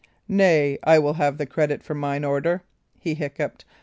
"Nay, I will have the credit for mine order," he hiccupped.